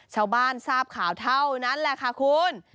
ชาวบ้านทราบข่าวเท่านั้นแหละค่ะคุณ